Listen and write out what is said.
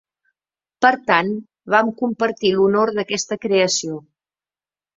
Per tant, vam compartir l'honor d'aquesta creació.